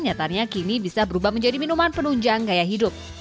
nyatanya kini bisa berubah menjadi minuman penunjang gaya hidup